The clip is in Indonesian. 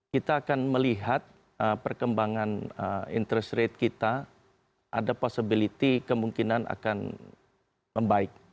kita akan melihat perkembangan interest rate kita ada possibility kemungkinan akan membaik